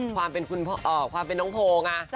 ความเป็นน้องโภวิ่ง